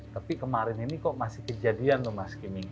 tapi kemarin ini kok masih kejadian tuh mas skimming